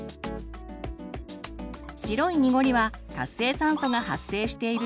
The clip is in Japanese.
白い濁りは活性酸素が発生している証拠。